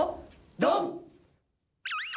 ドン！